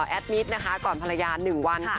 แอดมิตรนะคะก่อนภรรยา๑วันค่ะ